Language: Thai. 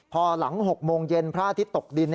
พอหลัง๖โมงเย็นพระอาทิตย์ตกดิน